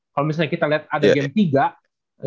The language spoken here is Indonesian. kalo misalnya kita liat ada game tiga